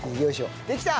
できた！